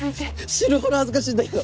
死ぬほど恥ずかしいんだけど。